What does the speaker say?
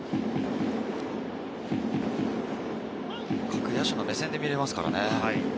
各野手の目線で見れますからね。